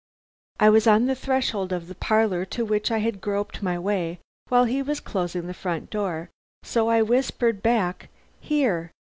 "I was on the threshold of the parlor, to which I had groped my way while he was closing the front door, so I whispered back, 'Here!'